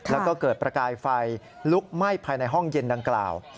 แล้วก็เกิดประกายไฟลุกไหม้ภายในห้องเย็นดังกล่าว